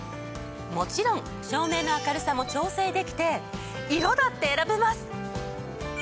もちろん照明の明るさも調整できて色だって選べます！